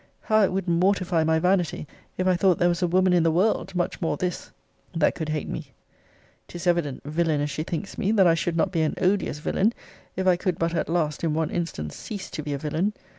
How it would mortify my vanity, if I thought there was a woman in the world, much more this, that could hate me! 'Tis evident, villain as she thinks me, that I should not be an odious villain, if I could but at last in one instance cease to be a villain!